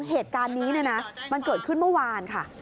เหตุการณ์นี้เนี่ยนะมันเกิดขึ้นเมื่อวานค่ะ